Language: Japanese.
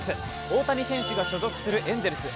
大谷選手が所属するエンゼルス。